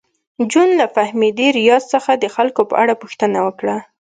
جون له فهمیدې ریاض څخه د خلکو په اړه پوښتنه وکړه